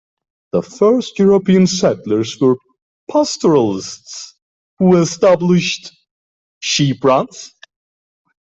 The first European settlers were pastoralists who established sheep runs.